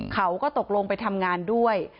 เขาก็ตกลงไปทำงานด้วย